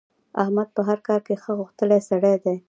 احمد په هر کار کې ښه غښتلی سړی دی.